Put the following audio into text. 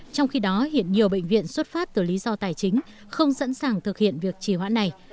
trong khi đó hiện nhiều bệnh viện xuất phát từ lý do tài chính không sẵn sàng thực hiện việc trì hoãn này